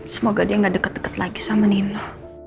semoga dia gak deket deket lagi sama nino